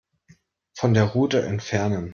Von der Route entfernen.